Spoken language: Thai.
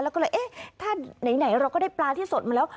แล้วเราก็เลยรอก็ได้ปลาที่สดมาแล้ว